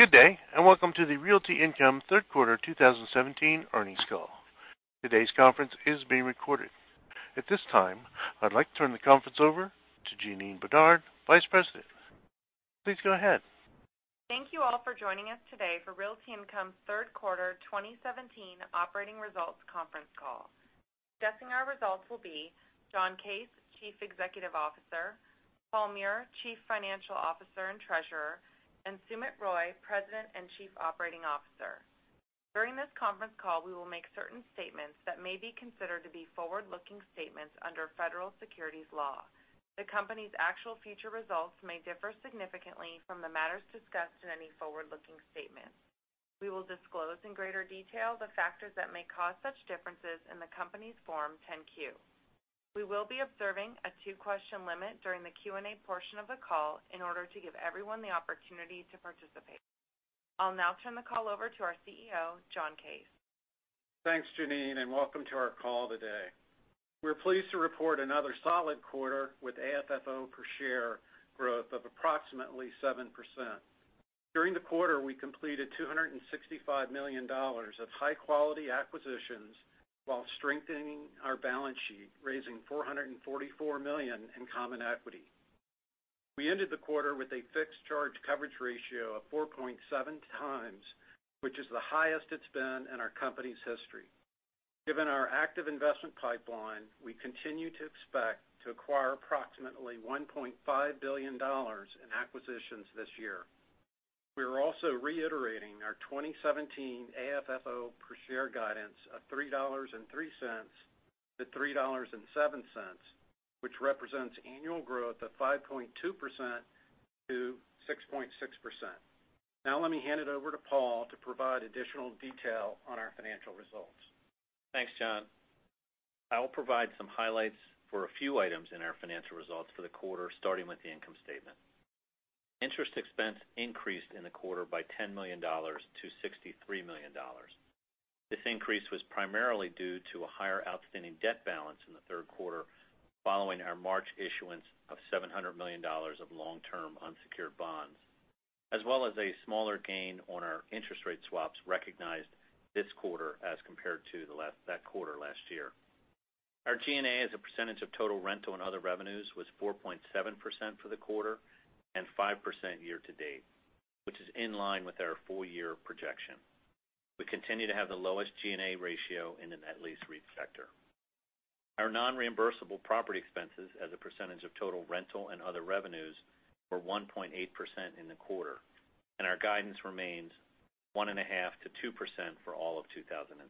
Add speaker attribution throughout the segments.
Speaker 1: Good day, welcome to the Realty Income third quarter 2017 earnings call. Today's conference is being recorded. At this time, I'd like to turn the conference over to Janeen Bedard, Vice President. Please go ahead.
Speaker 2: Thank you all for joining us today for Realty Income's third quarter 2017 operating results conference call. Discussing our results will be John Case, Chief Executive Officer, Paul Meurer, Chief Financial Officer and Treasurer, and Sumit Roy, President and Chief Operating Officer. During this conference call, we will make certain statements that may be considered to be forward-looking statements under Federal Securities law. The company's actual future results may differ significantly from the matters discussed in any forward-looking statement. We will disclose in greater detail the factors that may cause such differences in the company's Form 10-Q. We will be observing a two-question limit during the Q&A portion of the call in order to give everyone the opportunity to participate. I'll now turn the call over to our CEO, John Case.
Speaker 3: Thanks, Janeen, welcome to our call today. We're pleased to report another solid quarter with AFFO per share growth of approximately 7%. During the quarter, we completed $265 million of high-quality acquisitions while strengthening our balance sheet, raising $444 million in common equity. We ended the quarter with a fixed charge coverage ratio of 4.7 times, which is the highest it's been in our company's history. Given our active investment pipeline, we continue to expect to acquire approximately $1.5 billion in acquisitions this year. We are also reiterating our 2017 AFFO per share guidance of $3.03 to $3.07, which represents annual growth of 5.2% to 6.6%. Let me hand it over to Paul to provide additional detail on our financial results.
Speaker 4: Thanks, John. I will provide some highlights for a few items in our financial results for the quarter, starting with the income statement. Interest expense increased in the quarter by $10 million to $63 million. This increase was primarily due to a higher outstanding debt balance in the third quarter following our March issuance of $700 million of long-term unsecured bonds, as well as a smaller gain on our interest rate swaps recognized this quarter as compared to that quarter last year. Our G&A as a percentage of total rental and other revenues was 4.7% for the quarter and 5% year-to-date, which is in line with our full-year projection. We continue to have the lowest G&A ratio in the net lease REIT sector. Our non-reimbursable property expenses as a percentage of total rental and other revenues were 1.8% in the quarter, and our guidance remains 1.5%-2% for all of 2017.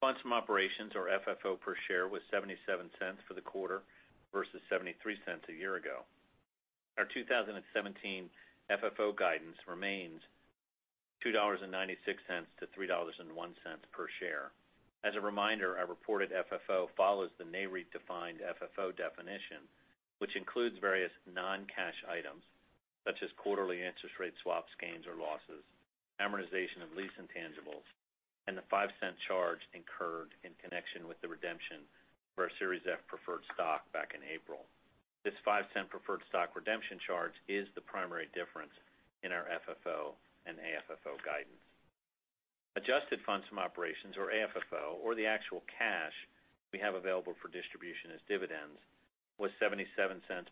Speaker 4: Funds from operations or FFO per share was $0.77 for the quarter versus $0.73 a year ago. Our 2017 FFO guidance remains $2.96-$3.01 per share. As a reminder, our reported FFO follows the Nareit Adjusted funds from operations or AFFO, or the actual cash we have available for distribution as dividends, was $0.77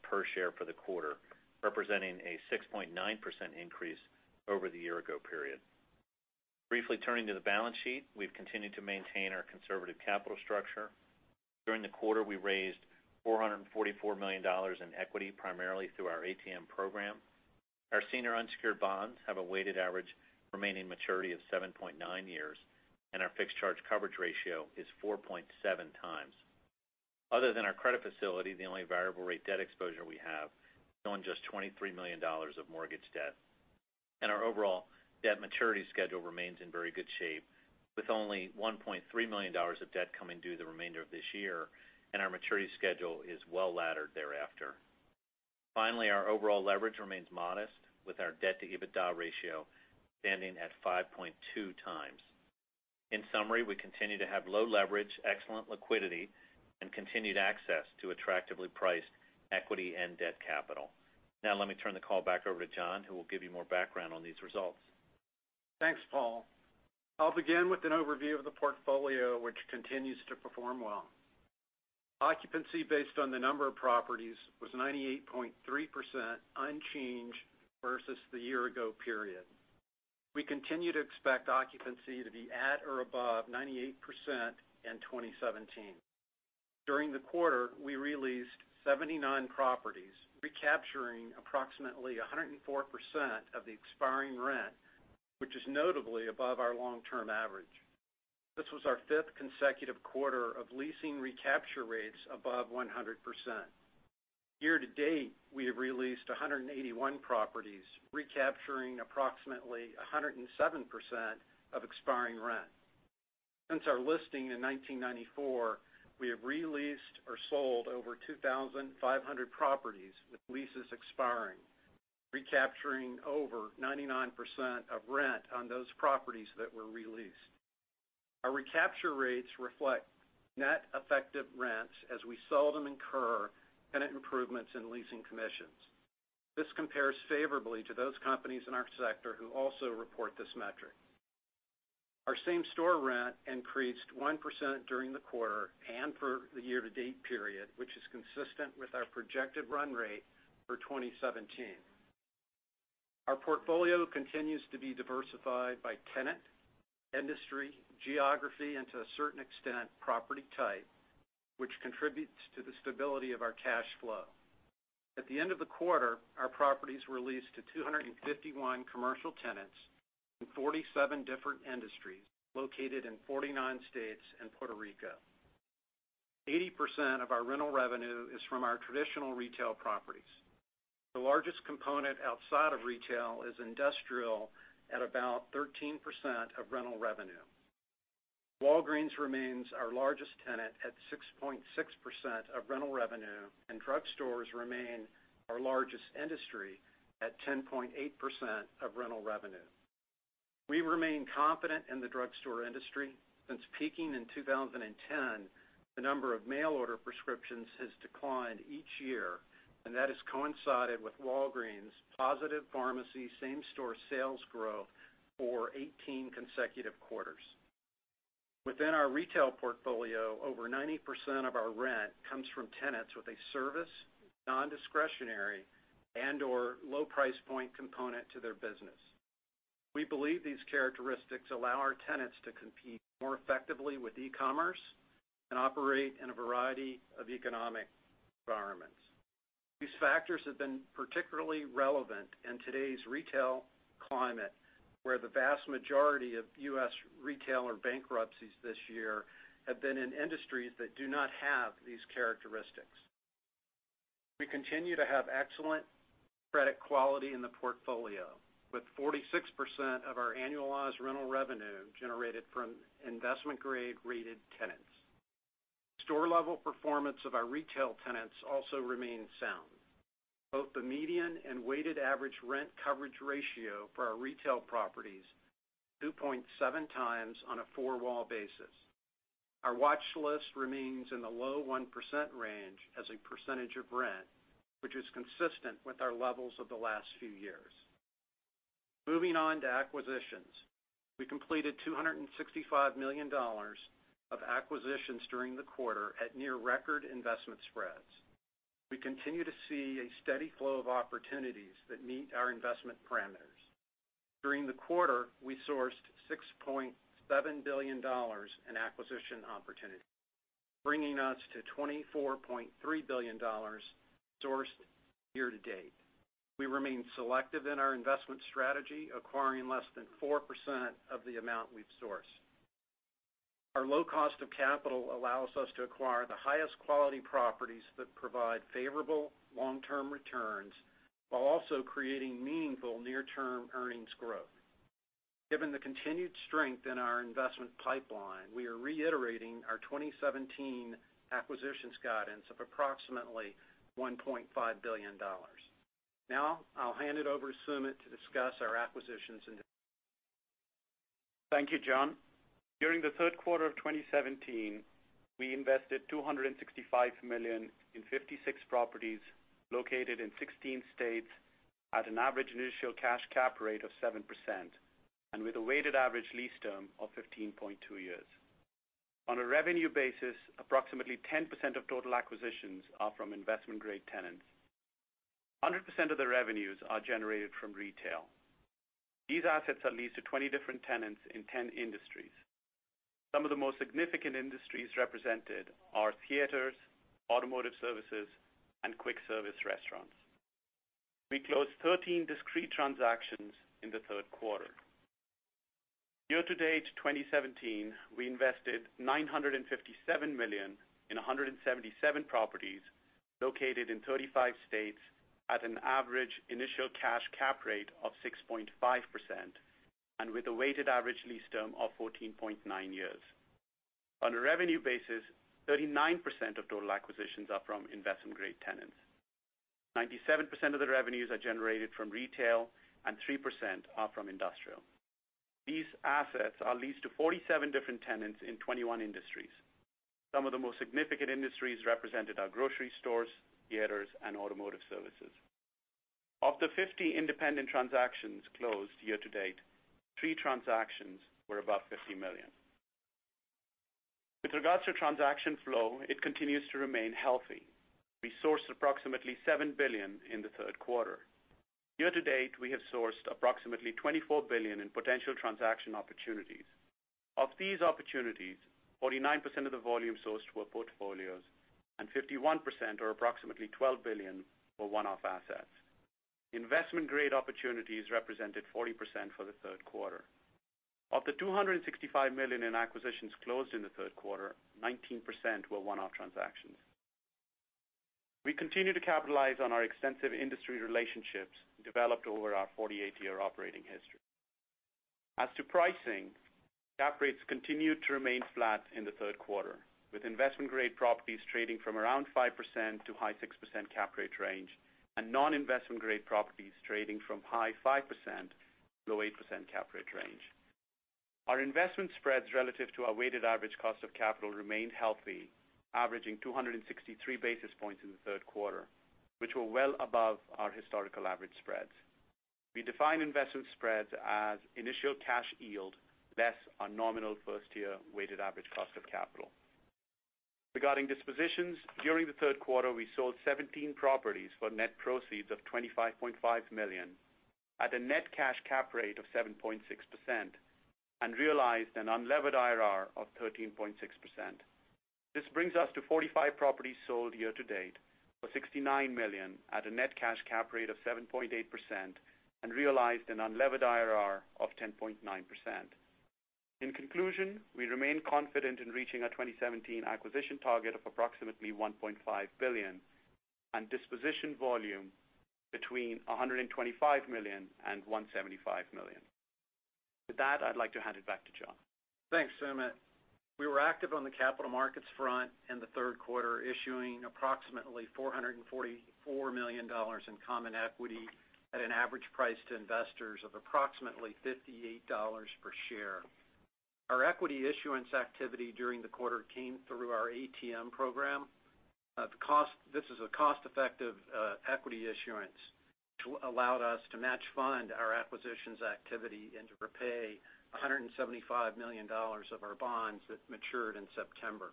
Speaker 4: per share for the quarter, representing a 6.9% increase over the year-ago period. Briefly turning to the balance sheet, we've continued to maintain our conservative capital structure. During the quarter, we raised $444 million in equity, primarily through our ATM program. Our senior unsecured bonds have a weighted average remaining maturity of 7.9 years, and our fixed charge coverage ratio is 4.7 times. Other than our credit facility, the only variable rate debt exposure we have is on just $23 million of mortgage debt. Our overall debt maturity schedule remains in very good shape, with only $1.3 million of debt coming due the remainder of this year, and our maturity schedule is well-laddered thereafter. Finally, our overall leverage remains modest, with our debt-to-EBITDA ratio standing at 5.2 times. In summary, we continue to have low leverage, excellent liquidity, and continued access to attractively priced equity and debt capital. Now let me turn the call back over to John, who will give you more background on these results.
Speaker 3: Thanks, Paul. I'll begin with an overview of the portfolio, which continues to perform well. Occupancy based on the number of properties was 98.3%, unchanged versus the year-ago period. We continue to expect occupancy to be at or above 98% in 2017. During the quarter, we re-leased 79 properties, recapturing approximately 104% of the expiring rent, which is notably above our long-term average. This was our fifth consecutive quarter of leasing recapture rates above 100%. Year to date, we have re-leased 181 properties, recapturing approximately 107% of expiring rent. Since our listing in 1994, we have re-leased or sold over 2,500 properties with leases expiring, recapturing over 99% of rent on those properties that were re-leased. Our recapture rates reflect net effective rents as we seldom incur tenant improvements in leasing commissions. This compares favorably to those companies in our sector who also report this metric. Our same-store rent increased 1% during the quarter and for the year-to-date period, which is consistent with our projected run rate for 2017. Our portfolio continues to be diversified by tenant, industry, geography, and to a certain extent, property type, which contributes to the stability of our cash flow. At the end of the quarter, our properties were leased to 251 commercial tenants in 47 different industries, located in 49 states and Puerto Rico. 80% of our rental revenue is from our traditional retail properties. The largest component outside of retail is industrial at about 13% of rental revenue. Walgreens remains our largest tenant at 6.6% of rental revenue, and drugstores remain our largest industry at 10.8% of rental revenue. We remain confident in the drugstore industry. Since peaking in 2010, the number of mail order prescriptions has declined each year, and that has coincided with Walgreens' positive pharmacy same-store sales growth for 18 consecutive quarters. Within our retail portfolio, over 90% of our rent comes from tenants with a service, non-discretionary, and/or low price point component to their business. We believe these characteristics allow our tenants to compete more effectively with e-commerce and operate in a variety of economic environments. These factors have been particularly relevant in today's retail climate, where the vast majority of U.S. retailer bankruptcies this year have been in industries that do not have these characteristics. We continue to have excellent credit quality in the portfolio, with 46% of our annualized rental revenue generated from investment-grade-rated tenants. Store-level performance of our retail tenants also remains sound. Both the median and weighted average rent coverage ratio for our retail properties, 2.7 times on a four-wall basis. Our watchlist remains in the low 1% range as a percentage of rent, which is consistent with our levels of the last few years. Moving on to acquisitions. We completed $265 million of acquisitions during the quarter at near-record investment spreads. We continue to see a steady flow of opportunities that meet our investment parameters. During the quarter, we sourced $6.7 billion in acquisition opportunities, bringing us to $24.3 billion sourced year to date. We remain selective in our investment strategy, acquiring less than 4% of the amount we've sourced. Our low cost of capital allows us to acquire the highest quality properties that provide favorable long-term returns while also creating meaningful near-term earnings growth. Given the continued strength in our investment pipeline, we are reiterating our 2017 acquisitions guidance of approximately $1.5 billion. I'll hand it over to Sumit to discuss our acquisitions in detail.
Speaker 5: Thank you, John. During the third quarter of 2017, we invested $265 million in 56 properties located in 16 states at an average initial cash cap rate of 7%, and with a weighted average lease term of 15.2 years. On a revenue basis, approximately 10% of total acquisitions are from investment-grade tenants. 100% of the revenues are generated from retail. These assets are leased to 20 different tenants in 10 industries. Some of the most significant industries represented are theaters, automotive services, and quick service restaurants. We closed 13 discrete transactions in the third quarter. Year to date 2017, we invested $957 million in 177 properties located in 35 states at an average initial cash cap rate of 6.5%, and with a weighted average lease term of 14.9 years. On a revenue basis, 39% of total acquisitions are from investment-grade tenants. 97% of the revenues are generated from retail and 3% are from industrial. These assets are leased to 47 different tenants in 21 industries. Some of the most significant industries represented are grocery stores, theaters, and automotive services. Of the 50 independent transactions closed year to date, three transactions were above $50 million. With regards to transaction flow, it continues to remain healthy. We sourced approximately $7 billion in the third quarter. Year to date, we have sourced approximately $24 billion in potential transaction opportunities. Of these opportunities, 49% of the volume sourced were portfolios and 51%, or approximately $12 billion, were one-off assets. Investment-grade opportunities represented 40% for the third quarter. Of the $265 million in acquisitions closed in the third quarter, 19% were one-off transactions. We continue to capitalize on our extensive industry relationships developed over our 48-year operating history. As to pricing, cap rates continued to remain flat in the third quarter, with investment-grade properties trading from around 5% to high 6% cap rate range, and non-investment-grade properties trading from high 5%, low 8% cap rate range. Our investment spreads relative to our weighted average cost of capital remained healthy, averaging 263 basis points in the third quarter, which were well above our historical average spreads. We define investment spreads as initial cash yield less our nominal first-year weighted average cost of capital. Regarding dispositions, during the third quarter, we sold 17 properties for net proceeds of $25.5 million at a net cash cap rate of 7.6% and realized an unlevered IRR of 13.6%. This brings us to 45 properties sold year-to-date for $69 million at a net cash cap rate of 7.8% and realized an unlevered IRR of 10.9%. In conclusion, we remain confident in reaching our 2017 acquisition target of approximately $1.5 billion and disposition volume between $125 million and $175 million. With that, I'd like to hand it back to John.
Speaker 3: Thanks, Sumit. We were active on the capital markets front in the third quarter, issuing approximately $444 million in common equity at an average price to investors of approximately $58 per share. Our equity issuance activity during the quarter came through our ATM program. This is a cost-effective equity issuance, which allowed us to match fund our acquisitions activity and to repay $175 million of our bonds that matured in September.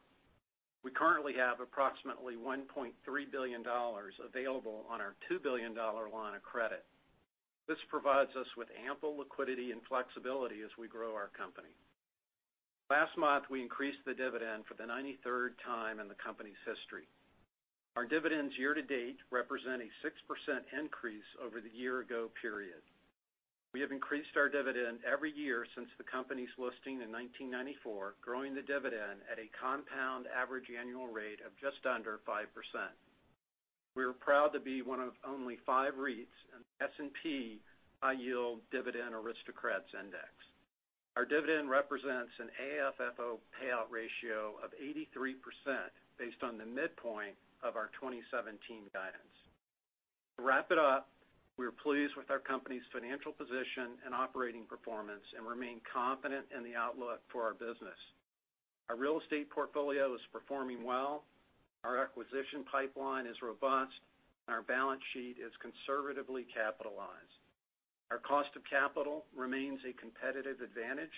Speaker 3: We currently have approximately $1.3 billion available on our $2 billion line of credit. This provides us with ample liquidity and flexibility as we grow our company. Last month, we increased the dividend for the 93rd time in the company's history. Our dividends year-to-date represent a 6% increase over the year-ago period. We have increased our dividend every year since the company's listing in 1994, growing the dividend at a compound average annual rate of just under 5%. We are proud to be one of only five REITs in the S&P High Yield Dividend Aristocrats Index. Our dividend represents an AFFO payout ratio of 83%, based on the midpoint of our 2017 guidance. To wrap it up, we are pleased with our company's financial position and operating performance and remain confident in the outlook for our business. Our real estate portfolio is performing well, our acquisition pipeline is robust, and our balance sheet is conservatively capitalized. Our cost of capital remains a competitive advantage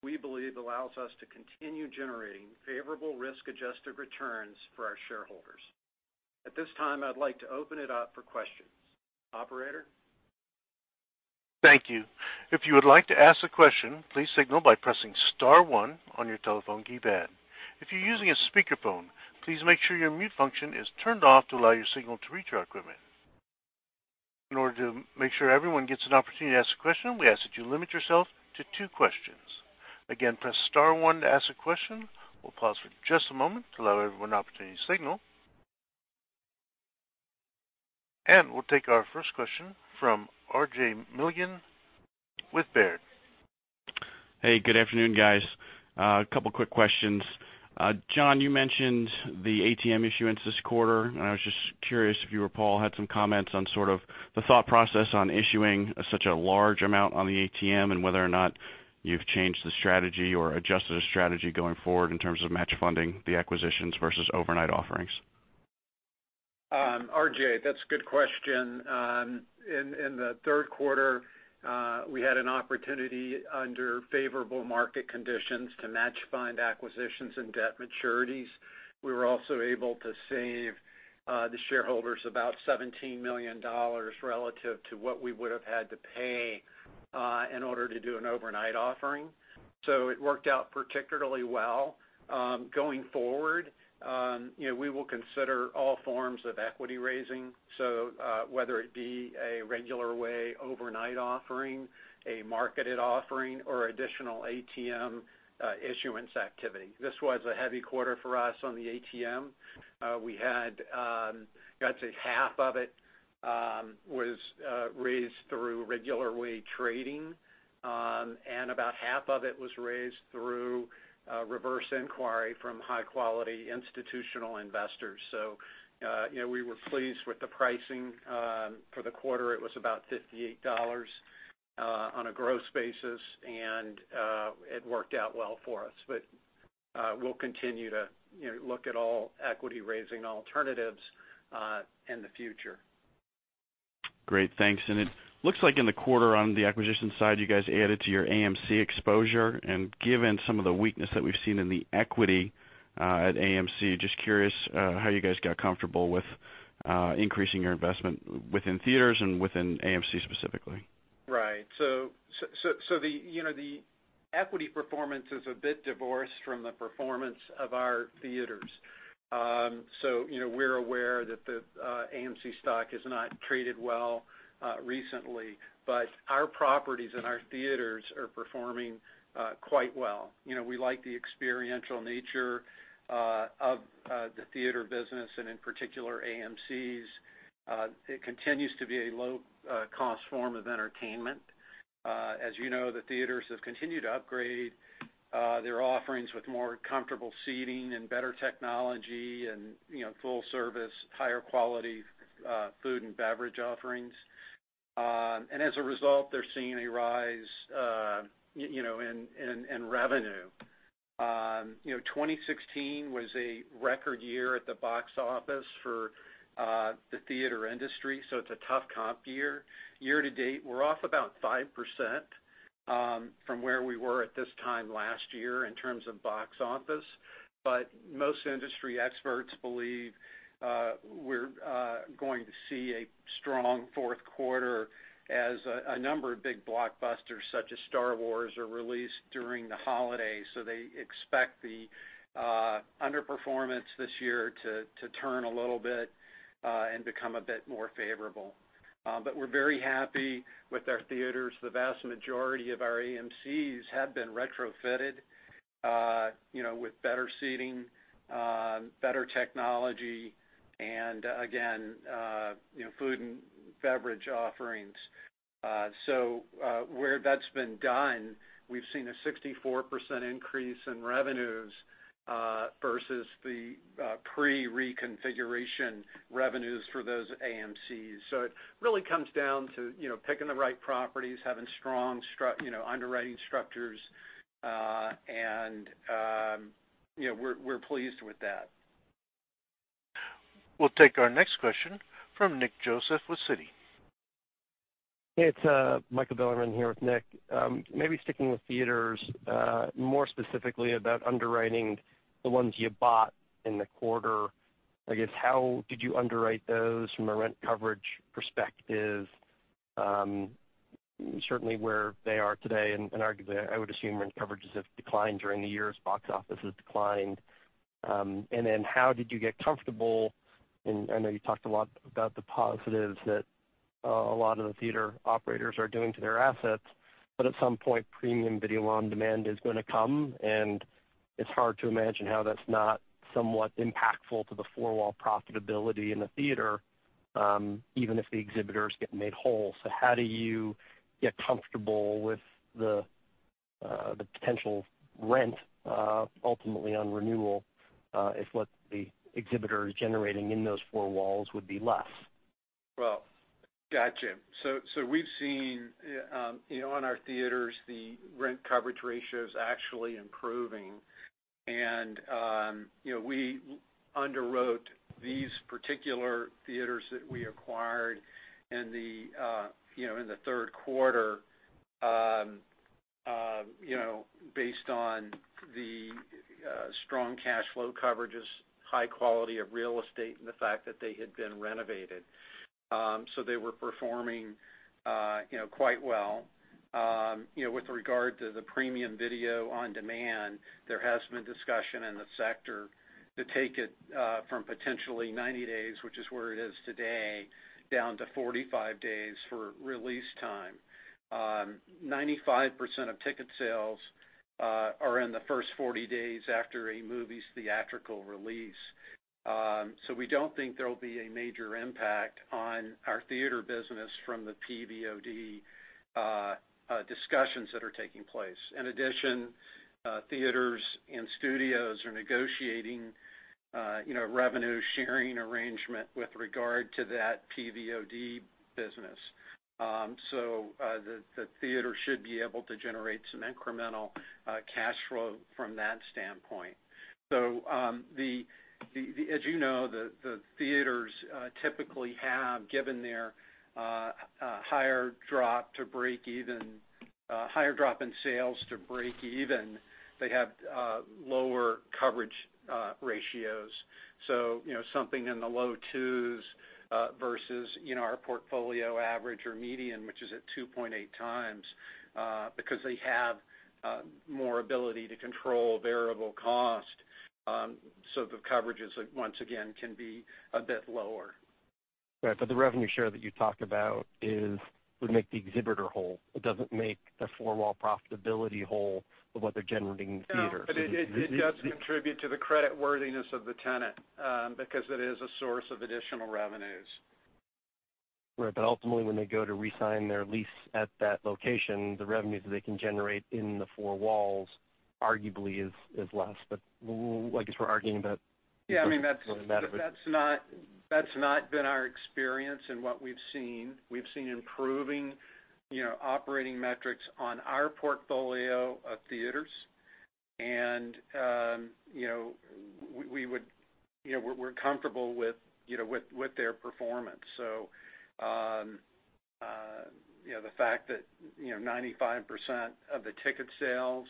Speaker 3: we believe allows us to continue generating favorable risk-adjusted returns for our shareholders. At this time, I'd like to open it up for questions. Operator?
Speaker 1: Thank you. If you would like to ask a question, please signal by pressing *1 on your telephone keypad. If you're using a speakerphone, please make sure your mute function is turned off to allow your signal to reach our equipment. In order to make sure everyone gets an opportunity to ask a question, we ask that you limit yourself to two questions. Again, press *1 to ask a question. We'll pause for just a moment to allow everyone an opportunity to signal. We'll take our first question from RJ Milligan with Baird.
Speaker 6: Hey, good afternoon, guys. A couple quick questions. John, you mentioned the ATM issuance this quarter. I was just curious if you or Paul had some comments on sort of the thought process on issuing such a large amount on the ATM and whether or not you've changed the strategy or adjusted the strategy going forward in terms of match funding the acquisitions versus overnight offerings.
Speaker 3: RJ, that's a good question. In the third quarter, we had an opportunity under favorable market conditions to match fund acquisitions and debt maturities. We were also able to save the shareholders about $17 million relative to what we would have had to pay in order to do an overnight offering. It worked out particularly well. Going forward, we will consider all forms of equity raising. Whether it be a regular way overnight offering, a marketed offering, or additional ATM issuance activity. This was a heavy quarter for us on the ATM. We had, I'd say, half of it was raised through regular way trading, and about half of it was raised through reverse inquiry from high-quality institutional investors. We were pleased with the pricing. For the quarter, it was about $58 on a gross basis, and it worked out well for us. We'll continue to look at all equity-raising alternatives in the future.
Speaker 6: Great. Thanks. It looks like in the quarter on the acquisition side, you guys added to your AMC exposure. Given some of the weakness that we've seen in the equity at AMC, just curious how you guys got comfortable with increasing your investment within theaters and within AMC specifically.
Speaker 3: Right. The equity performance is a bit divorced from the performance of our theaters. We're aware that the AMC stock has not traded well recently, but our properties and our theaters are performing quite well. We like the experiential nature of the theater business, and in particular AMC's. It continues to be a low-cost form of entertainment. As you know, the theaters have continued to upgrade their offerings with more comfortable seating and better technology and full service, higher quality food and beverage offerings. As a result, they're seeing a rise in revenue. 2016 was a record year at the box office for the theater industry, it's a tough comp year. Year-to-date, we're off about 5% from where we were at this time last year in terms of box office. Most industry experts believe we're going to see a strong fourth quarter as a number of big blockbusters, such as "Star Wars," are released during the holidays. They expect the underperformance this year to turn a little bit and become a bit more favorable. We're very happy with our theaters. The vast majority of our AMCs have been retrofitted with better seating, better technology, and again, food and beverage offerings. Where that's been done, we've seen a 64% increase in revenues versus the pre-reconfiguration revenues for those AMCs. It really comes down to picking the right properties, having strong underwriting structures. We're pleased with that.
Speaker 1: We'll take our next question from Nick Joseph with Citi.
Speaker 7: Hey, it's Michael Bilerman here with Nick. Maybe sticking with theaters, more specifically about underwriting the ones you bought in the quarter. I guess, how did you underwrite those from a rent coverage perspective? Certainly where they are today, and arguably, I would assume rent coverages have declined during the years box offices declined. How did you get comfortable, and I know you talked a lot about the positives that a lot of the theater operators are doing to their assets, but at some point, premium video on-demand is going to come, and it's hard to imagine how that's not somewhat impactful to the four-wall profitability in the theater, even if the exhibitors get made whole. How do you get comfortable with the potential rent, ultimately on renewal, if what the exhibitor is generating in those four walls would be less?
Speaker 3: Well, gotcha. We've seen in our theaters, the rent coverage ratio is actually improving. We underwrote these particular theaters that we acquired in the third quarter based on the strong cash flow coverages, high quality of real estate, and the fact that they had been renovated. They were performing quite well. With regard to the premium video on-demand, there has been discussion in the sector to take it from potentially 90 days, which is where it is today, down to 45 days for release time. 95% of ticket sales are in the first 40 days after a movie's theatrical release. We don't think there'll be a major impact on our theater business from the PVOD discussions that are taking place. In addition, theaters and studios are negotiating a revenue-sharing arrangement with regard to that PVOD business. The theater should be able to generate some incremental cash flow from that standpoint. As you know, the theaters typically have, given their higher drop in sales to break even, they have lower coverage ratios. Something in the low 2s versus our portfolio average or median, which is at 2.8 times, because they have more ability to control variable cost. The coverages, once again, can be a bit lower.
Speaker 7: Right, the revenue share that you talked about would make the exhibitor whole. It doesn't make the four-wall profitability whole of what they're generating in the theater.
Speaker 3: No, it does contribute to the creditworthiness of the tenant, because it is a source of additional revenues.
Speaker 7: Right, ultimately, when they go to re-sign their lease at that location, the revenues that they can generate in the four walls arguably is less. I guess we're arguing about.
Speaker 3: Yeah.
Speaker 7: doesn't matter.
Speaker 3: That's not been our experience in what we've seen. We've seen improving operating metrics on our portfolio of theaters. We're comfortable with their performance. The fact that 95% of the ticket sales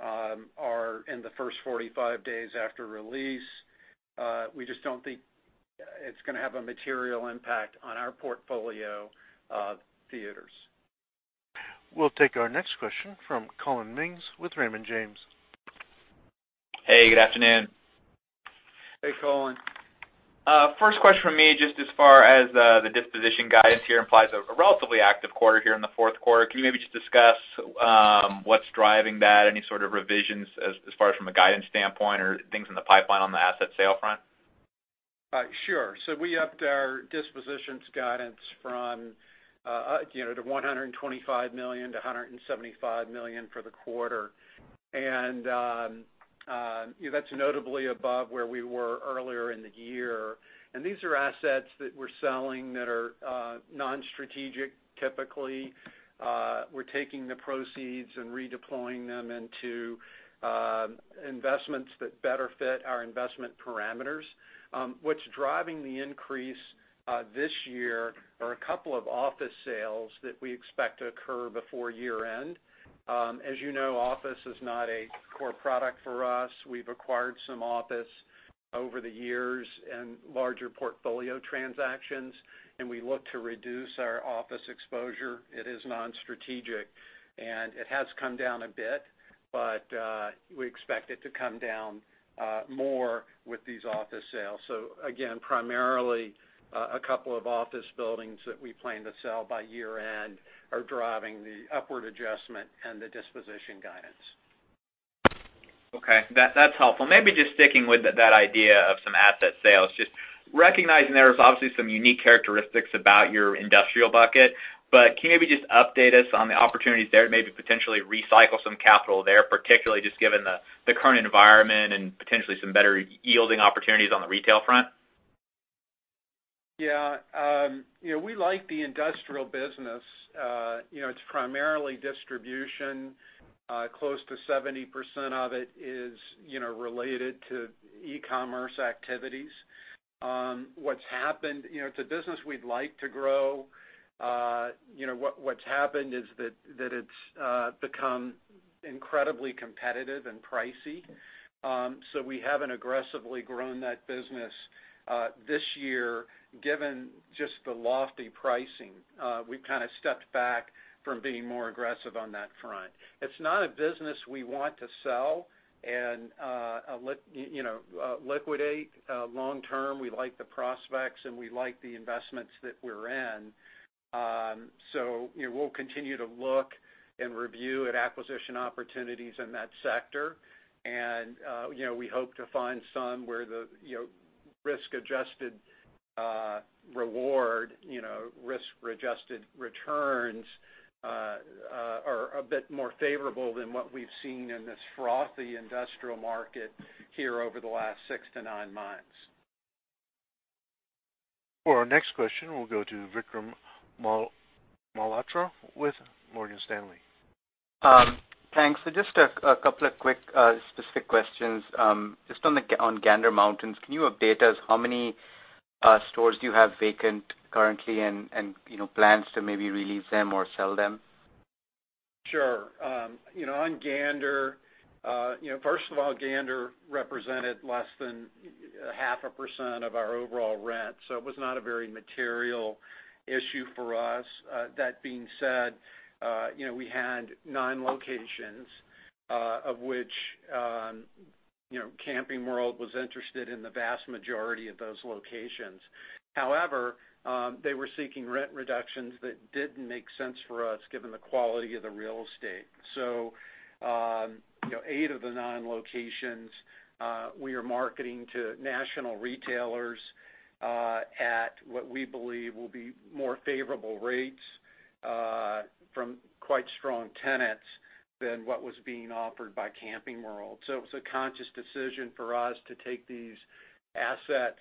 Speaker 3: are in the first 45 days after release, we just don't think it's going to have a material impact on our portfolio of theaters.
Speaker 1: We'll take our next question from Collin Mings with Raymond James.
Speaker 8: Hey, good afternoon.
Speaker 3: Hey, Collin.
Speaker 8: First question from me, just as far as the disposition guidance here implies a relatively active quarter here in the fourth quarter. Can you maybe just discuss what's driving that? Any sort of revisions as far as from a guidance standpoint or things in the pipeline on the asset sale front?
Speaker 3: Sure. We upped our dispositions guidance from the $125 million-$175 million for the quarter. That's notably above where we were earlier in the year. These are assets that we're selling that are non-strategic, typically. We're taking the proceeds and redeploying them into investments that better fit our investment parameters. What's driving the increase this year are a couple of office sales that we expect to occur before year-end. As you know, office is not a core product for us. We've acquired some office over the years in larger portfolio transactions, and we look to reduce our office exposure. It is non-strategic. It has come down a bit, but we expect it to come down more with these office sales. Again, primarily, a couple of office buildings that we plan to sell by year-end are driving the upward adjustment and the disposition guidance.
Speaker 8: Okay. That's helpful. Maybe just sticking with that idea of some asset sales, just recognizing there is obviously some unique characteristics about your industrial bucket, but can you maybe just update us on the opportunities there to maybe potentially recycle some capital there, particularly just given the current environment and potentially some better yielding opportunities on the retail front?
Speaker 3: Yeah. We like the industrial business. It's primarily distribution. Close to 70% of it is related to e-commerce activities. It's a business we'd like to grow. What's happened is that it's become incredibly competitive and pricey. We haven't aggressively grown that business, this year, given just the lofty pricing. We've kind of stepped back from being more aggressive on that front. It's not a business we want to sell and liquidate long term. We like the prospects, and we like the investments that we're in. We'll continue to look and review at acquisition opportunities in that sector. We hope to find some where the risk-adjusted reward, risk-adjusted returns, are a bit more favorable than what we've seen in this frothy industrial market here over the last six to nine months.
Speaker 1: For our next question, we'll go to Vikram Malhotra with Morgan Stanley.
Speaker 9: Thanks. Just a couple of quick, specific questions. Just on Gander Mountain, can you update us how many stores do you have vacant currently and plans to maybe re-lease them or sell them?
Speaker 3: Sure. On Gander, first of all, Gander represented less than 0.5% of our overall rent, it was not a very material issue for us. That being said, we had nine locations, of which Camping World was interested in the vast majority of those locations. However, they were seeking rent reductions that didn't make sense for us, given the quality of the real estate. Eight of the nine locations, we are marketing to national retailers, at what we believe will be more favorable rates, from quite strong tenants than what was being offered by Camping World. It was a conscious decision for us to take these assets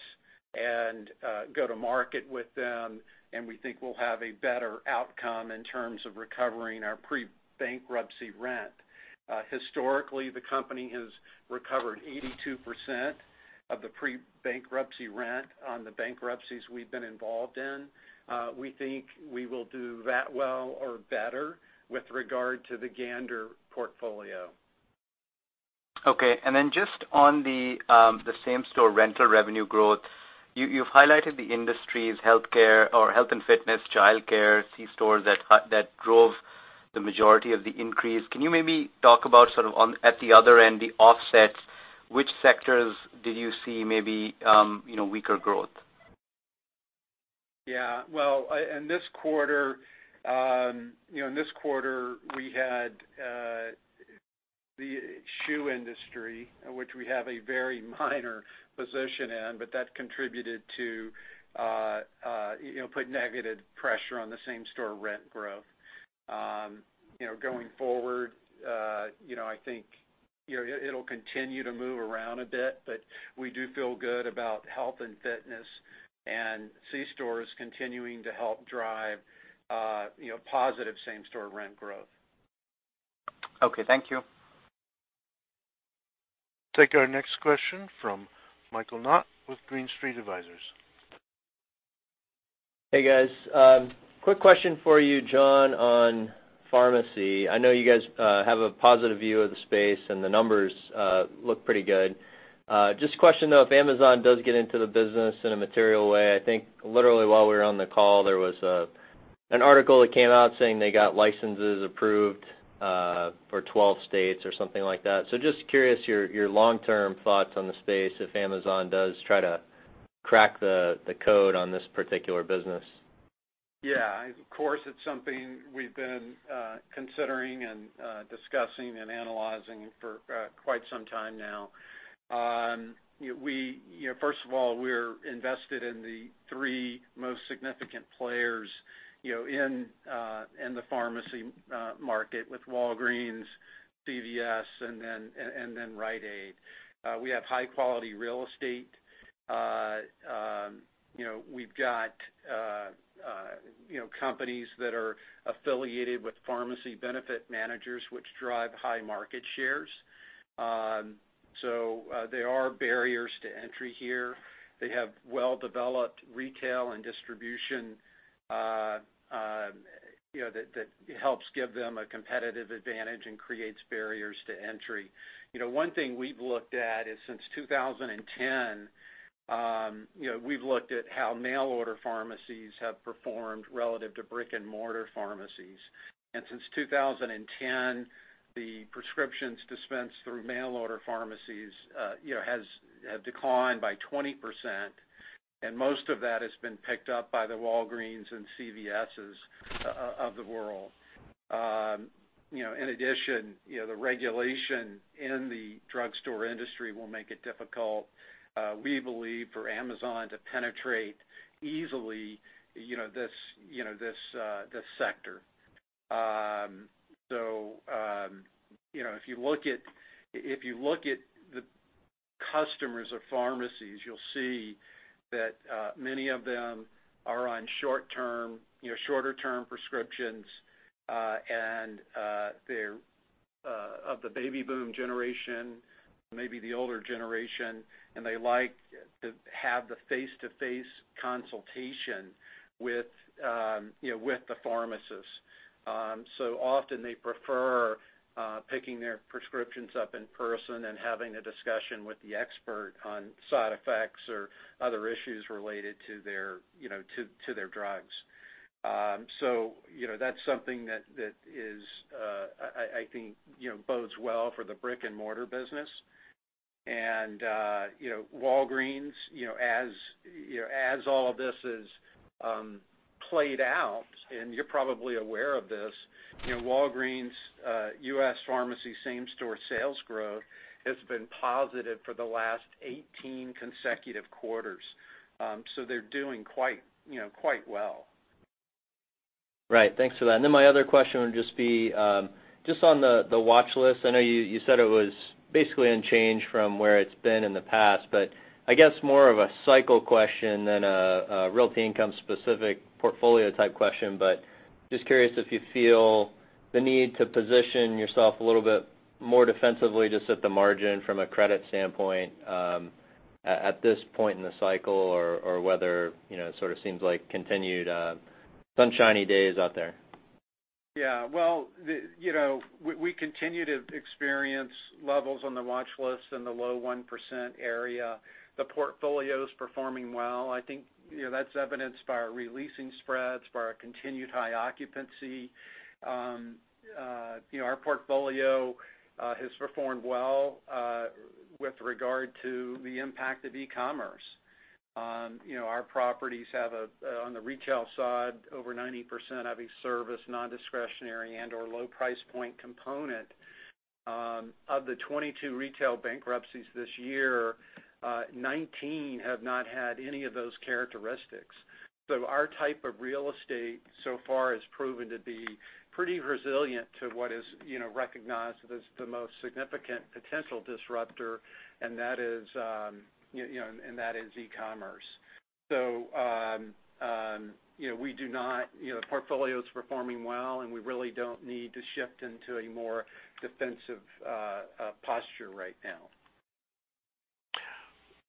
Speaker 3: and go to market with them, and we think we'll have a better outcome in terms of recovering our pre-bankruptcy rent. Historically, the company has recovered 82% of the pre-bankruptcy rent on the bankruptcies we've been involved in. We think we will do that well or better with regard to the Gander portfolio.
Speaker 9: Okay. Just on the same-store rental revenue growth, you've highlighted the industries, health and fitness, childcare, C stores, that drove the majority of the increase. Can you maybe talk about sort of at the other end, the offsets, which sectors did you see maybe weaker growth?
Speaker 3: Yeah. Well, in this quarter, we had the shoe industry, which we have a very minor position in, that contributed to put negative pressure on the same-store rent growth. Going forward, I think it'll continue to move around a bit, but we do feel good about health and fitness and C stores continuing to help drive positive same-store rent growth.
Speaker 9: Okay. Thank you.
Speaker 1: Take our next question from Michael Knott with Green Street Advisors.
Speaker 10: Hey, guys. Quick question for you, John, on pharmacy. I know you guys have a positive view of the space, and the numbers look pretty good. Just a question, though, if Amazon does get into the business in a material way. I think literally while we were on the call, there was an article that came out saying they got licenses approved for 12 states or something like that. Just curious your long-term thoughts on the space if Amazon does try to crack the code on this particular business.
Speaker 3: Yeah. Of course, it's something we've been considering and discussing and analyzing for quite some time now. First of all, we're invested in the three most significant players in the pharmacy market with Walgreens, CVS, and then Rite Aid. We have high-quality real estate. We've got companies that are affiliated with pharmacy benefit managers which drive high market shares. There are barriers to entry here. They have well-developed retail and distribution that helps give them a competitive advantage and creates barriers to entry. One thing we've looked at is since 2010, we've looked at how mail-order pharmacies have performed relative to brick-and-mortar pharmacies. Since 2010, the prescriptions dispensed through mail-order pharmacies have declined by 20%, and most of that has been picked up by the Walgreens and CVSs of the world. In addition, the regulation in the drugstore industry will make it difficult, we believe, for Amazon to penetrate easily this sector. If you look at the customers of pharmacies, you'll see that many of them are on shorter-term prescriptions, and they're of the baby boom generation, maybe the older generation, and they like to have the face-to-face consultation with the pharmacist. Often, they prefer picking their prescriptions up in person and having a discussion with the expert on side effects or other issues related to their drugs. That's something that I think bodes well for the brick-and-mortar business. Walgreens, as all of this is played out, and you're probably aware of this, Walgreens' U.S. pharmacy same-store sales growth has been positive for the last 18 consecutive quarters. They're doing quite well.
Speaker 10: Right. Thanks for that. My other question would just be just on the watch list. I know you said it was basically unchanged from where it's been in the past, but I guess more of a cycle question than a Realty Income-specific portfolio-type question, but just curious if you feel the need to position yourself a little bit more defensively, just at the margin from a credit standpoint, at this point in the cycle or whether it sort of seems like continued sunshiny days out there.
Speaker 3: Well, we continue to experience levels on the watch list in the low 1% area. The portfolio's performing well. I think that's evidenced by our releasing spreads, by our continued high occupancy. Our portfolio has performed well with regard to the impact of e-commerce. Our properties have, on the retail side, over 90% of a service, non-discretionary, and/or low price point component. Of the 22 retail bankruptcies this year, 19 have not had any of those characteristics. Our type of real estate so far has proven to be pretty resilient to what is recognized as the most significant potential disruptor, and that is e-commerce. The portfolio's performing well, and we really don't need to shift into a more defensive posture right now.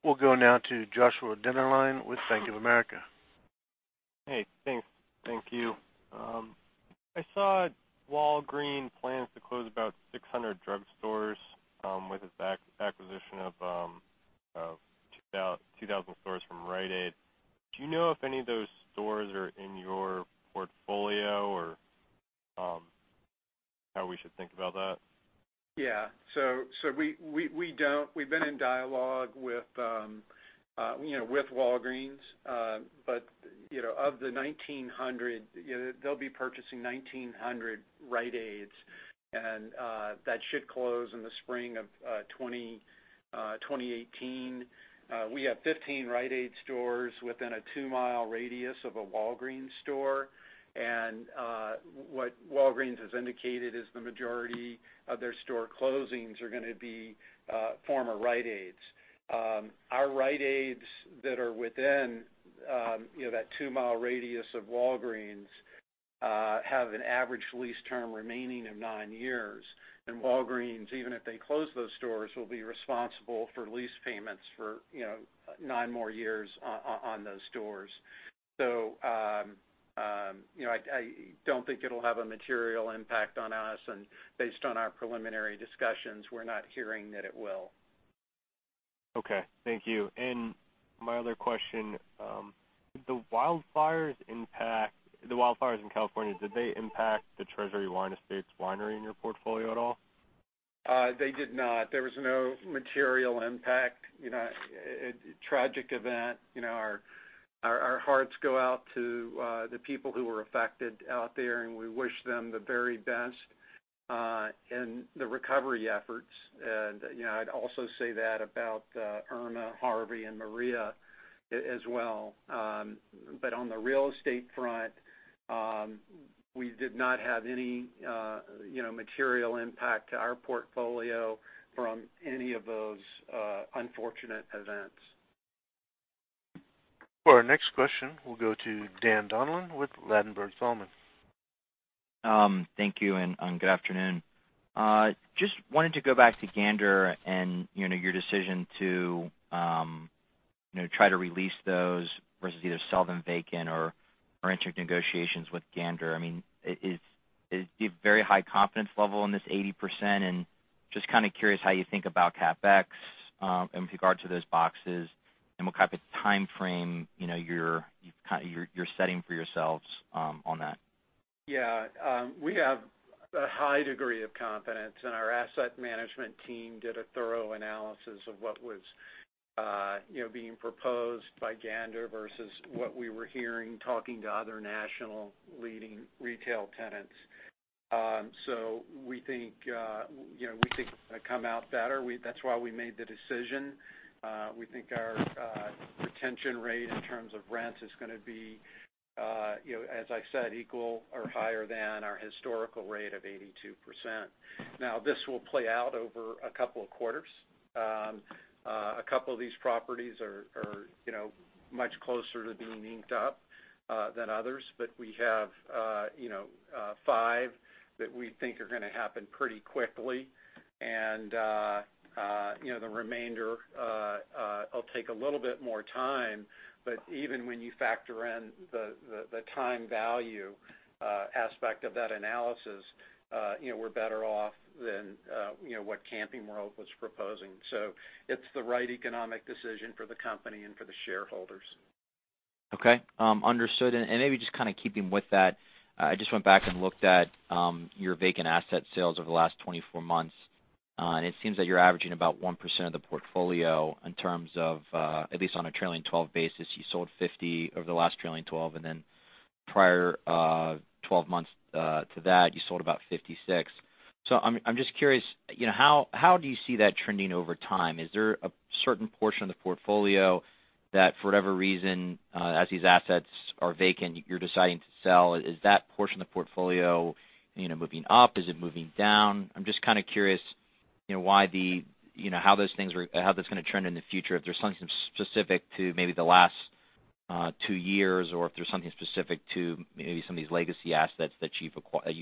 Speaker 1: We'll go now to Joshua Dennerlein with Bank of America.
Speaker 11: Hey, thanks. Thank you. I saw Walgreens plans to close about 600 drugstores with its acquisition of 2,000 stores from Rite Aid. Do you know if any of those stores are in your portfolio or how we should think about that?
Speaker 3: Yeah. We've been in dialogue with Walgreens. Of the 1,900, they'll be purchasing 1,900 Rite Aids, and that should close in the spring of 2018. We have 15 Rite Aid stores within a two-mile radius of a Walgreens store, and what Walgreens has indicated is the majority of their store closings are going to be former Rite Aids. Our Rite Aids that are within that two-mile radius of Walgreens have an average lease term remaining of nine years, and Walgreens, even if they close those stores, will be responsible for lease payments for nine more years on those stores. I don't think it'll have a material impact on us, and based on our preliminary discussions, we're not hearing that it will.
Speaker 11: Okay. Thank you. My other question, did the wildfires in California, did they impact the Treasury Wine Estates winery in your portfolio at all?
Speaker 3: They did not. There was no material impact. Tragic event. Our hearts go out to the people who were affected out there, and we wish them the very best in the recovery efforts. I'd also say that about Irma, Harvey, and Maria as well. On the real estate front, we did not have any material impact to our portfolio from any of those unfortunate events.
Speaker 1: For our next question, we'll go to Dan Donlan with Ladenburg Thalmann.
Speaker 12: Thank you, good afternoon. Just wanted to go back to Gander and your decision to try to release those versus either sell them vacant or enter negotiations with Gander. Is very high confidence level in this 80%, just kind of curious how you think about CapEx, with regard to those boxes, and what type of timeframe you're setting for yourselves on that.
Speaker 3: Yeah. We have a high degree of confidence, our asset management team did a thorough analysis of what was being proposed by Gander versus what we were hearing talking to other national leading retail tenants. We think it's going to come out better. That's why we made the decision. We think our retention rate in terms of rents is going to be, as I said, equal or higher than our historical rate of 82%. This will play out over a couple of quarters. A couple of these properties are much closer to being inked up than others, we have five that we think are going to happen pretty quickly. The remainder will take a little bit more time, even when you factor in the time value aspect of that analysis, we're better off than what Camping World was proposing. It's the right economic decision for the company and for the shareholders.
Speaker 12: Okay. Understood. Maybe just kind of keeping with that, I just went back and looked at your vacant asset sales over the last 24 months, it seems that you're averaging about 1% of the portfolio in terms of, at least on a trailing 12 basis, you sold 50 over the last trailing 12, prior 12 months to that, you sold about 56. I'm just curious, how do you see that trending over time? Is there a certain portion of the portfolio that, for whatever reason, as these assets are vacant, you're deciding to sell? Is that portion of the portfolio moving up? Is it moving down? I'm just kind of curious how that's going to trend in the future, if there's something specific to maybe the last 2 years, if there's something specific to maybe some of these legacy assets that you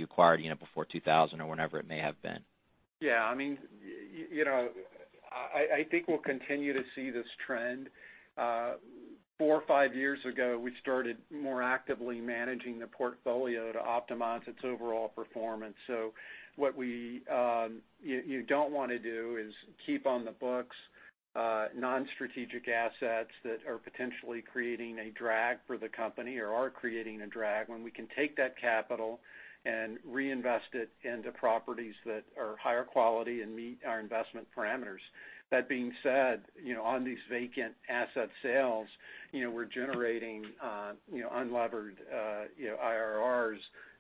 Speaker 12: acquired before 2000 or whenever it may have been.
Speaker 3: Yeah. I think we'll continue to see this trend. 4 or 5 years ago, we started more actively managing the portfolio to optimize its overall performance. What you don't want to do is keep on the books non-strategic assets that are potentially creating a drag for the company or are creating a drag when we can take that capital and reinvest it into properties that are higher quality and meet our investment parameters. That being said, on these vacant asset sales, we're generating unlevered IRRs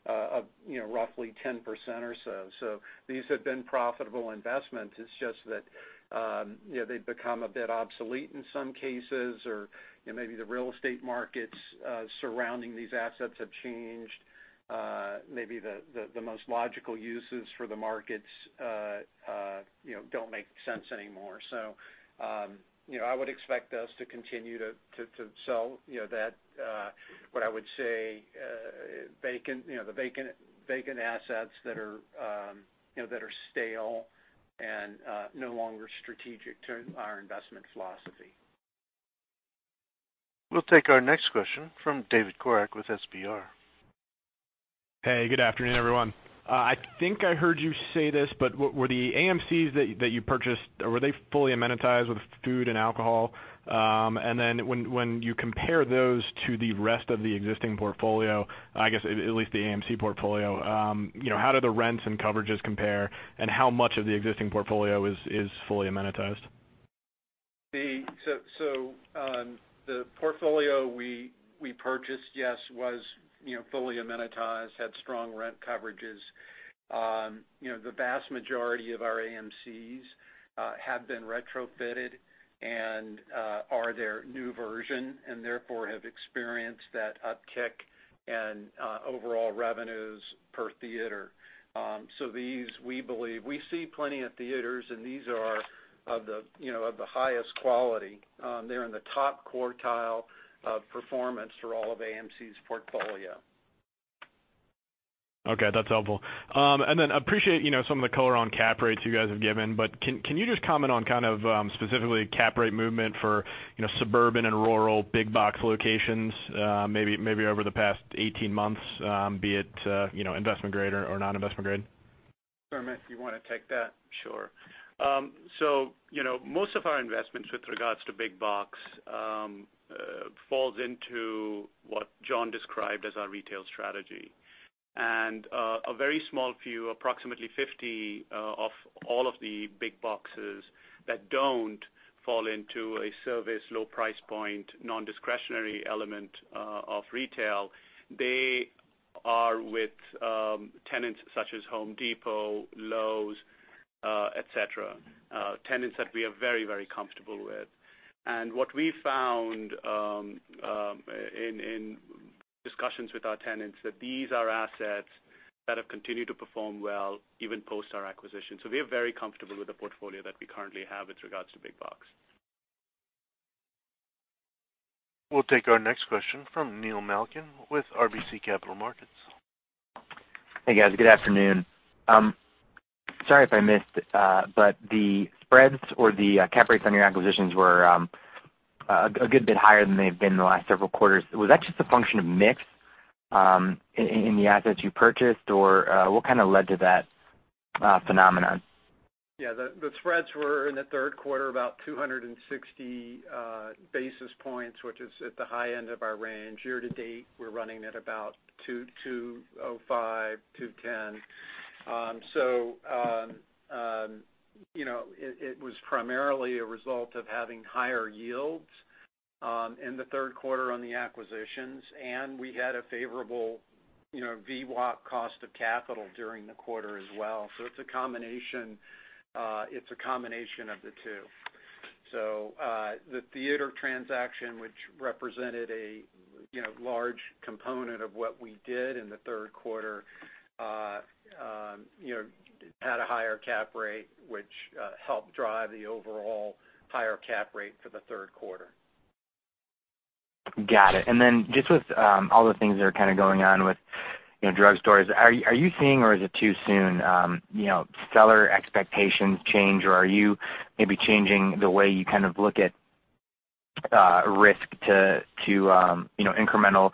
Speaker 3: of roughly 10% or so. These have been profitable investments. It's just that they've become a bit obsolete in some cases, or maybe the real estate markets surrounding these assets have changed. Maybe the most logical uses for the markets don't make sense anymore. I would expect us to continue to sell what I would say the vacant assets that are stale and no longer strategic to our investment philosophy.
Speaker 1: We'll take our next question from David Corak with Stifel.
Speaker 13: Hey, good afternoon, everyone. I think I heard you say this, were the AMCs that you purchased, were they fully amenitized with food and alcohol? When you compare those to the rest of the existing portfolio, I guess at least the AMC portfolio, how do the rents and coverages compare, and how much of the existing portfolio is fully amenitized?
Speaker 3: The portfolio we purchased, yes, was fully amenitized, had strong rent coverages. The vast majority of our AMCs have been retrofitted and are their new version and therefore have experienced that uptick in overall revenues per theater. We believe we see plenty of theaters, and these are of the highest quality. They're in the top quartile of performance for all of AMC's portfolio.
Speaker 13: Okay, that's helpful. Appreciate some of the color on cap rates you guys have given, can you just comment on kind of specifically cap rate movement for suburban and rural big box locations, maybe over the past 18 months, be it investment-grade or non-investment grade?
Speaker 3: Sumit, do you want to take that? Sure.
Speaker 5: Most of our investments with regards to big box, falls into what John described as our retail strategy. A very small few, approximately 50 of all of the big boxes that don't fall into a service, low price point, non-discretionary element of retail, they are with tenants such as The Home Depot, Lowe's, et cetera. Tenants that we are very, very comfortable with. What we found in discussions with our tenants, that these are assets that have continued to perform well even post our acquisition. We are very comfortable with the portfolio that we currently have with regards to big box.
Speaker 1: We'll take our next question from Neil Malkin with RBC Capital Markets.
Speaker 14: Hey, guys. Good afternoon. Sorry if I missed, the spreads or the cap rates on your acquisitions were a good bit higher than they've been in the last several quarters. Was that just a function of mix in the assets you purchased, or what kind of led to that phenomenon?
Speaker 3: Yeah. The spreads were in the third quarter, about 260 basis points, which is at the high end of our range. Year-to-date, we're running at about 205, 210. It was primarily a result of having higher yields in the third quarter on the acquisitions, and we had a favorable WACC cost of capital during the quarter as well. It is a combination of the two. The theater transaction, which represented a large component of what we did in the third quarter had a higher cap rate, which helped drive the overall higher cap rate for the third quarter.
Speaker 14: Got it. Just with all the things that are kind of going on with drugstores, are you seeing, or is it too soon, seller expectations change, or are you maybe changing the way you kind of look at risk to incremental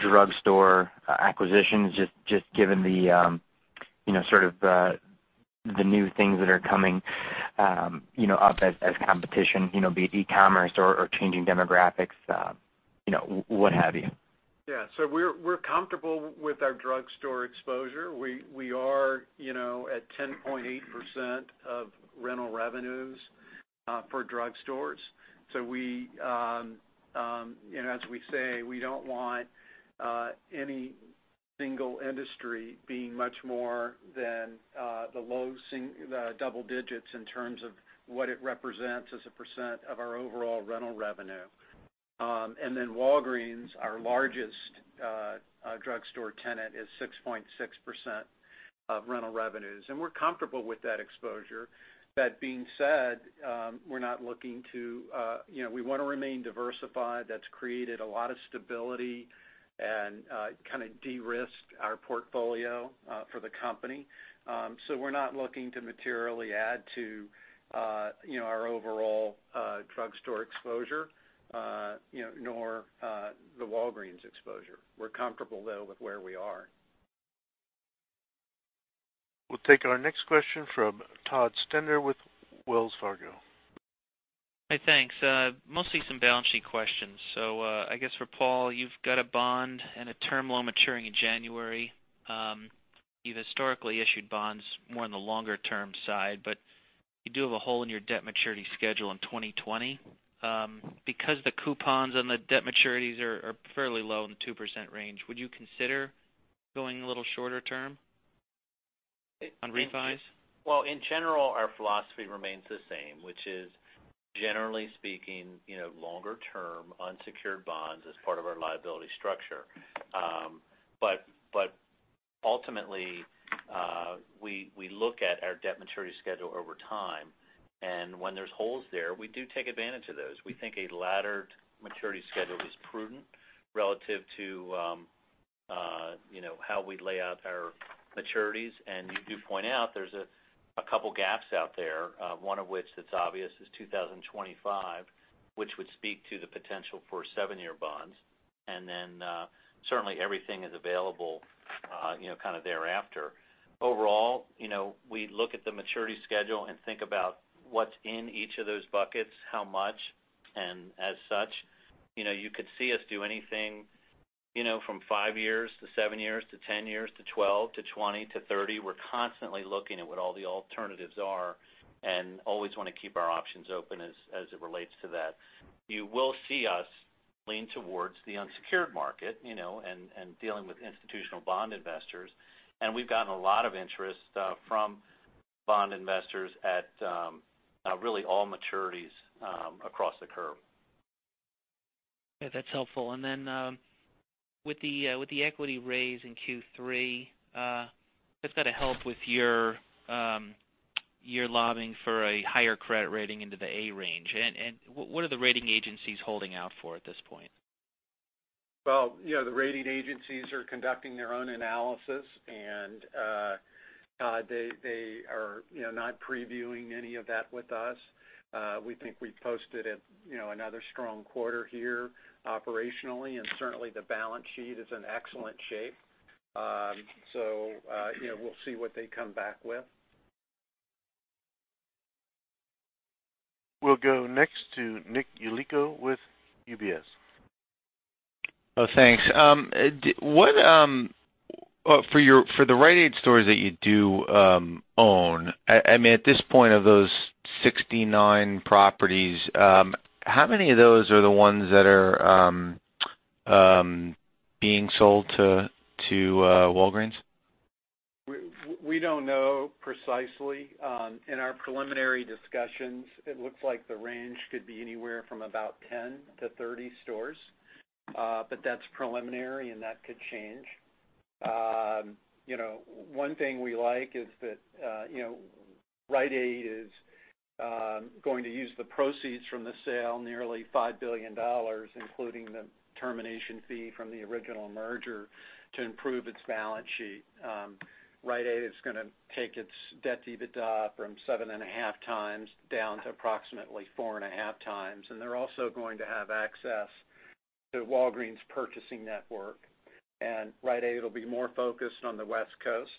Speaker 14: drugstore acquisitions, just given the sort of the new things that are coming up as competition, be it e-commerce or changing demographics, what have you?
Speaker 3: Yeah. We are comfortable with our drugstore exposure. We are at 10.8% of rental revenues for drugstores. As we say, we do not want any single industry being much more than the low double digits in terms of what it represents as a % of our overall rental revenue. Walgreens, our largest drugstore tenant, is 6.6% of rental revenues, and we are comfortable with that exposure. That being said, we want to remain diversified. That has created a lot of stability and kind of de-risked our portfolio for the company. We are not looking to materially add to our overall drugstore exposure, nor the Walgreens exposure. We are comfortable, though, with where we are.
Speaker 1: We will take our next question from Todd Stender with Wells Fargo.
Speaker 15: Hey, thanks. Mostly some balance sheet questions. I guess for Paul, you've got a bond and a term loan maturing in January. You've historically issued bonds more on the longer-term side, but you do have a hole in your debt maturity schedule in 2020. Because the coupons on the debt maturities are fairly low in the 2% range, would you consider going a little shorter term on refis?
Speaker 4: In general, our philosophy remains the same, which is generally speaking, longer-term unsecured bonds as part of our liability structure. Ultimately, we look at our debt maturity schedule over time, and when there's holes there, we do take advantage of those. We think a laddered maturity schedule is prudent relative to how we lay out our maturities. You do point out there's a couple gaps out there. One of which that's obvious is 2025, which would speak to the potential for 7-year bonds. Certainly everything is available kind of thereafter. Overall, we look at the maturity schedule and think about what's in each of those buckets, how much, and as such, you could see us do anything, from 5 years to 7 years to 10 years to 12 to 20 to 30. We're constantly looking at what all the alternatives are and always want to keep our options open as it relates to that. You will see us lean towards the unsecured market, and dealing with institutional bond investors. We've gotten a lot of interest from bond investors at really all maturities across the curve.
Speaker 15: Okay. That's helpful. With the equity raise in Q3, that's got to help with your lobbing for a higher credit rating into the A range. What are the rating agencies holding out for at this point?
Speaker 3: Well, the rating agencies are conducting their own analysis. They are not previewing any of that with us. We think we've posted another strong quarter here operationally. Certainly the balance sheet is in excellent shape. We'll see what they come back with.
Speaker 1: We'll go next to Nick Yulico with UBS.
Speaker 16: Oh, thanks. For the Rite Aid stores that you do own, at this point of those 69 properties, how many of those are the ones that are being sold to Walgreens?
Speaker 3: We don't know precisely. In our preliminary discussions, it looks like the range could be anywhere from about 10 to 30 stores. That's preliminary, and that could change. One thing we like is that Rite Aid is going to use the proceeds from the sale, nearly $5 billion, including the termination fee from the original merger, to improve its balance sheet. Rite Aid is going to take its debt EBITDA from seven and a half times down to approximately four and a half times. They're also going to have access to Walgreens' purchasing network. Rite Aid will be more focused on the West Coast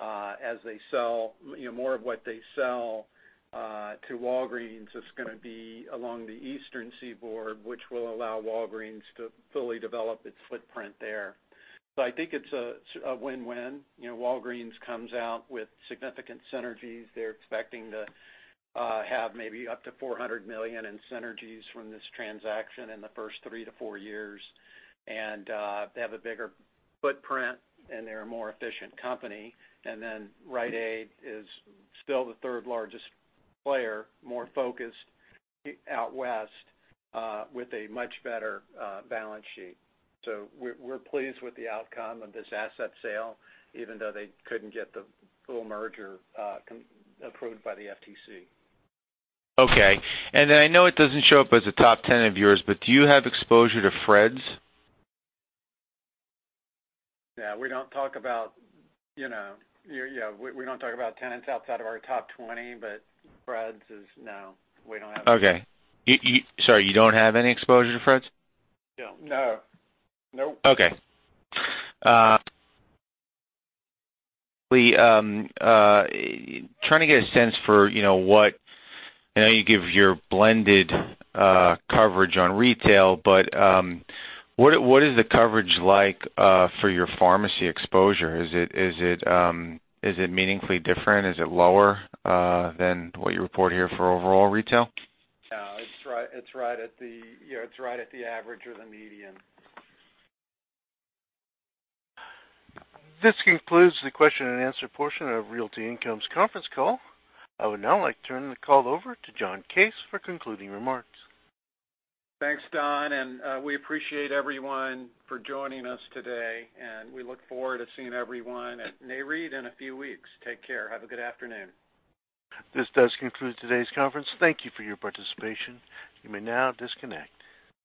Speaker 3: as they sell more of what they sell to Walgreens is going to be along the eastern seaboard, which will allow Walgreens to fully develop its footprint there. I think it's a win-win. Walgreens comes out with significant synergies. They're expecting to have maybe up to $400 million in synergies from this transaction in the first 3 to 4 years. They have a bigger footprint, and they're a more efficient company. Rite Aid is still the third-largest player, more focused out west with a much better balance sheet. We're pleased with the outcome of this asset sale, even though they couldn't get the full merger approved by the FTC.
Speaker 16: Okay. I know it doesn't show up as a top 10 of yours, do you have exposure to Fred's?
Speaker 3: Yeah, we don't talk about tenants outside of our top 20. Fred's is no.
Speaker 16: Okay. Sorry, you don't have any exposure to Fred's?
Speaker 3: No.
Speaker 1: Nope.
Speaker 16: Okay. Trying to get a sense for I know you give your blended coverage on retail, but what is the coverage like for your pharmacy exposure? Is it meaningfully different? Is it lower than what you report here for overall retail?
Speaker 3: No, it's right at the average or the median.
Speaker 1: This concludes the question and answer portion of Realty Income's conference call. I would now like to turn the call over to John Case for concluding remarks.
Speaker 3: Thanks, Don. We appreciate everyone for joining us today, and we look forward to seeing everyone at Nareit in a few weeks. Take care. Have a good afternoon.
Speaker 1: This does conclude today's conference. Thank you for your participation. You may now disconnect.